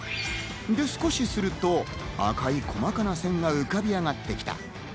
で、少しすると、赤い細かな線が浮かび上がってきた。